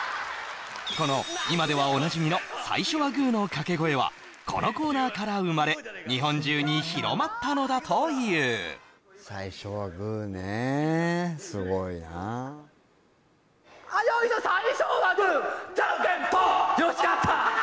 この今ではおなじみの「最初はグー」のかけ声はこのコーナーから生まれ日本中に広まったのだというあよいしょ最初はグージャンケンポンよし勝った！